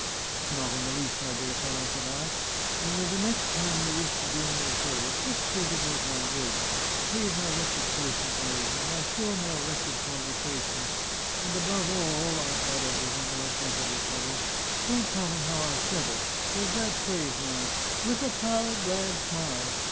"Not in the least, my dear fellow," said I. "Only the next time you wish to do me a service, just speak about my work; leave my wretched person out, and my still more wretched conversation; and above all," I added, with an irrepressible shudder, "don't tell them how I said it! There's that phrase, now: 'With a proud, glad smile.'